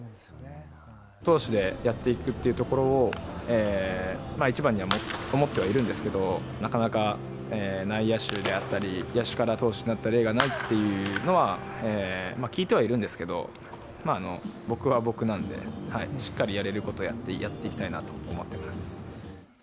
投手でやっていくというところを、一番には思ってはいるんですけど、なかなか内野手であったり、野手から投手になった例がないというのは、聞いてはいるんですけど、僕は僕なんで、しっかりやれることをやって、やっていきたいなと思ってます。